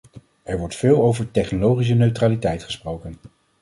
Er wordt veel over technologische neutraliteit gesproken.